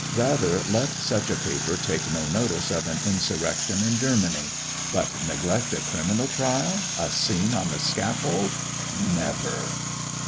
Rather let such a paper take no notice of an insurrection in Germany; but neglect a criminal trial, a scene on the scaffold never!